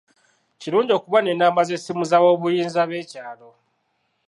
Kirungi okuba n'ennamba z'essimu z'aboobuyinza b'ekyalo.